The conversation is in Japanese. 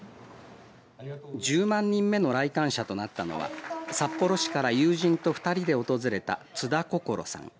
１０万人目の来館者となったのは札幌市から友人と２人で訪れた津田志さん。